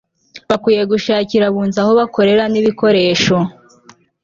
bakwiye gushakira abunzi aho bakorera n ibikoresho